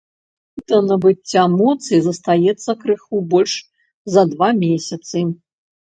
Да набыцця моцы застаецца крыху больш за два месяцы.